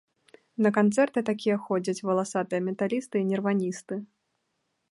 На канцэрты такія ходзяць валасатыя металісты і нірваністы.